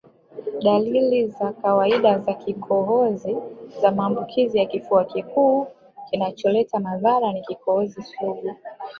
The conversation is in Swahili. Dalili za kawaidaKohozi za maambukizi ya kifua kikuu kinacholeta madhara ni kikohozi sugu